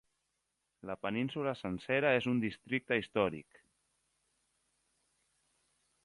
La península sencera és un districte històric.